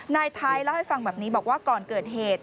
นายไทยเล่าให้ฟังแบบนี้บอกว่าก่อนเกิดเหตุ